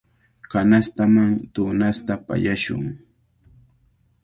Kanastaman tunasta pallashun.